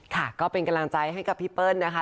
ค่ะก็เป็นกำลังใจให้กับพี่เปิ้ลนะคะ